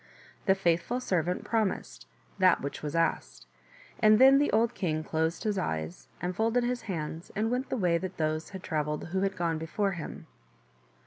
The faithful servant promised that which was asked, and then the old king closed his eyes and folded his hands and went the way that those had travelled who had gone before him.